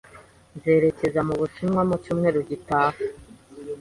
Nzerekeza mu Bushinwa mu cyumweru gitaha.